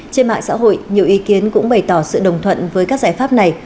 trên mạng xã hội nhiều ý kiến cũng bày tỏ sự đồng thuận với các giải pháp này